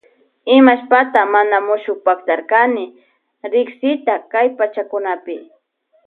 Imashpata mana mushukpaktarkani riksita kay pachakunapi.